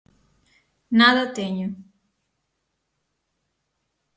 Nada teño.